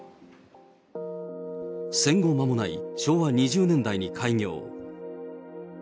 戦後間もない昭和２０年代に開業。